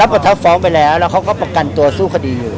รับประทักฟองไปแล้วแล้วเขาก็ประกันตัวสู้คดีอยู่